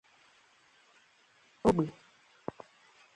ògbè